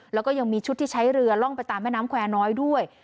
แล้วก็ยังมีชุดที่ใช้เรือล่องไปตามแม่น้ำแควร์น้อยด้วย